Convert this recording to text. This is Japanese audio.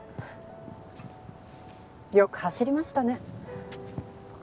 よく走りましたね。